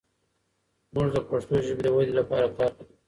موږ د پښتو ژبې د ودې لپاره کار کوو.